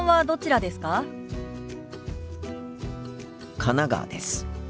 神奈川です。